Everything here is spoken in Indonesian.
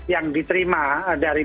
yang diterima dari